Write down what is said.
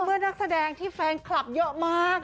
นักแสดงที่แฟนคลับเยอะมาก